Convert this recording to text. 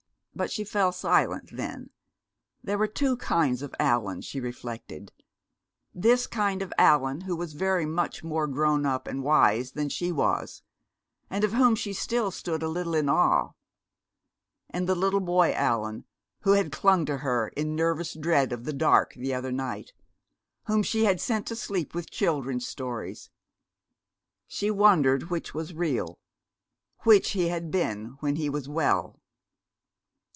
But she fell silent then. There were two kinds of Allan, she reflected. This kind of Allan, who was very much more grown up and wise than she was, and of whom she still stood a little in awe; and the little boy Allan who had clung to her in nervous dread of the dark the other night whom she had sent to sleep with children's stories. She wondered which was real, which he had been when he was well.